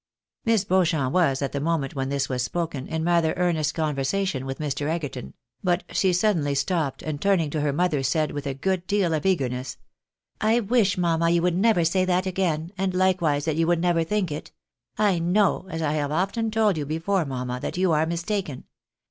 Miss Beauchamp was, at the moment when this was spoken, in rather earnest conversation with Mr. Egerton ; but she suddenly stopped, and turning to her mother said, with a good deal of eager ness —" I wish, mamma, you would never say that again, and likewise that you would never think it. I Jcnoio, as I have often told you before, mamma, that you are mistaken.